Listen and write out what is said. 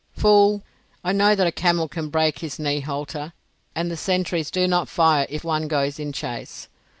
"Fool! I know that a camel can break his knee halter, and the sentries do not fire if one goes in chase.